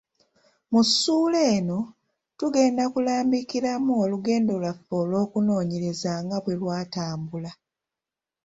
Mu ssuula eno tugenda kulambikiramu olugendo lwaffe olw’okunoonyereza nga bwe lwatambula.